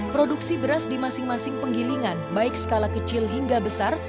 produksi beras di masing masing penggilingan baik skala kecil hingga besar